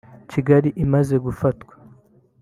Kigali imaze gufatwa